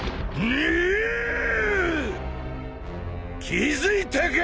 気付いたか？